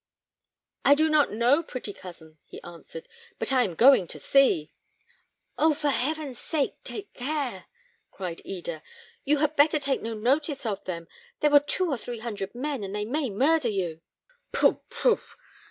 "I do not know, pretty cousin," he answered; "but I am going to see." "Oh! for heaven's sake, take care," cried Eda. "You had better take no notice of them. There were two or three hundred men, and they may murder you." "Pooh! pooh!"